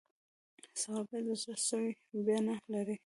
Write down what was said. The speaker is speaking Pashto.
سوالګر د زړه سوې بڼه لري